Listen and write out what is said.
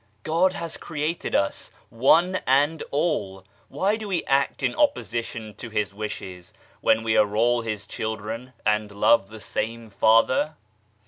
God has created us, one and all why do we act in opposition to His wishes, when we are all His children, and love the same Father